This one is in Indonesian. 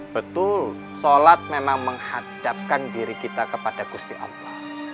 betul sholat memang menghadapkan diri kita kepada gusti allah